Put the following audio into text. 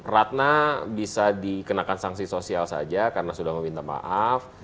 ratna bisa dikenakan sanksi sosial saja karena sudah meminta maaf